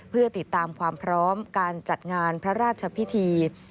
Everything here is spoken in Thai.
เพื่อติดตามความพร้อมการจัดงานพระราชพิธี